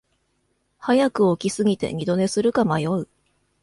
早く起きすぎて二度寝するか迷う